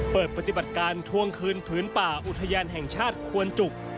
เปิดปฏิบัติการทวงคืนผืนป่าอุทยานแห่งชาติควนจุก